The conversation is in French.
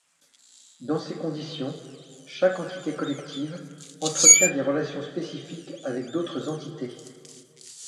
Dans ces conditions, chaque entité collective entretient des relations spécifiques avec d’autres entités.